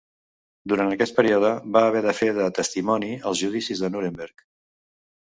Durant aquest període, va haver de fer de testimoni als Judicis de Nuremberg.